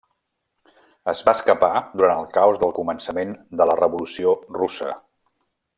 Es va escapar durant el caos del començament de la Revolució russa.